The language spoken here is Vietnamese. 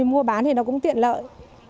mua bán thì nó cũng tiện lợi